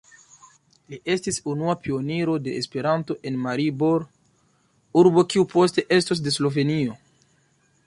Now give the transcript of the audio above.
Li estis unua pioniro de Esperanto en Maribor, urbo kiu poste estos de Slovenio.